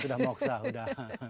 sudah moksa sudah